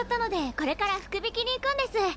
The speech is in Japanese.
これから福引きに行くんです！